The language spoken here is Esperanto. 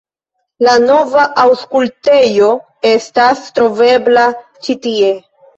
La nova Aŭskultejo estas trovebla ĉi tie.